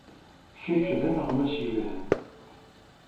Kečč d aneɣmas yelhan.